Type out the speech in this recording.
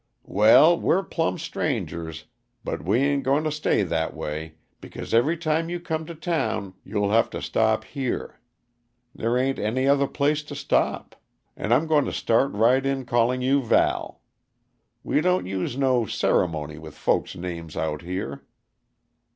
"Well, we're plumb strangers, but we ain't going to stay that way, because every time you come to town you'll have to stop here; there ain't any other place to stop. And I'm going to start right in calling you Val. We don't use no ceremony with folk's names, out here.